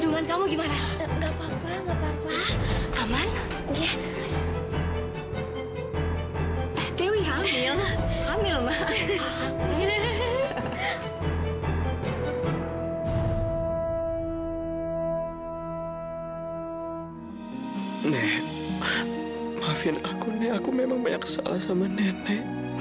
maafin aku aku memang banyak salah sama nenek